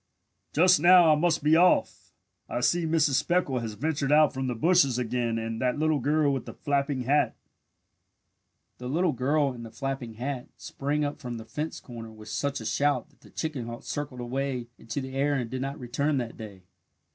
"Just now I must be off. I see Mrs. Speckle has ventured out from the bushes again and that little girl with the flapping hat " The little girl and the "flapping hat" sprang up from the fence corner with such a shout that the chicken hawk circled away into the air and did not return that day.